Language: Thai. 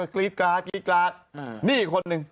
กรี๊ดกราดนี่อีกคนหนึ่ง